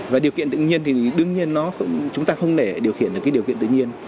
và điều kiện tự nhiên thì đương nhiên chúng ta không để điều khiển được cái điều kiện tự nhiên